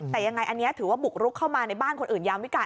แต่ยังไงอันนี้ถือว่าบุกรุกเข้ามาในบ้านคนอื่นยามวิการ